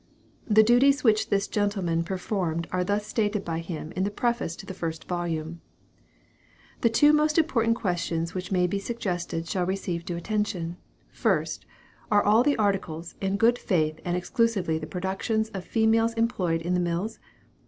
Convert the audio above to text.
The duties which this gentleman performed are thus stated by him in the preface to the first volume: "The two most important questions which may be suggested shall receive due attention. "1st. Are all the articles, in good faith and exclusively the productions of females employed in the mills?